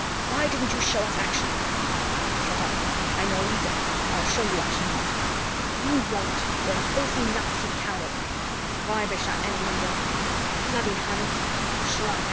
Why didn't you show us action?" "Shut up. I'm your leader. I'll show you action enough." "You won't. You're a filthy Nazi coward." "Weibischer Engländer!" "Bloody Hun!" "_Schlange!